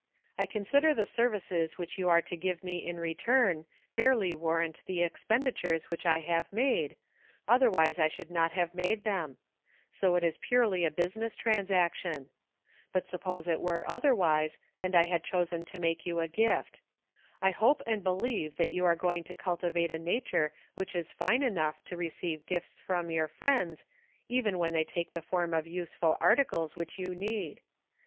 I consider the services which you are to give me in return fairly war rant the expenditures which I have made, other wise I should not have made them; so it is purely a business transaction. But suppose it were otherwise, and I had chosen to make you a gift. I hope and believe that you are going to cultivate a nature which is fine enough to re 236 BORROWED TROUBLE. ceive gifts from your frieDds even when they take the form of useful articles which you need.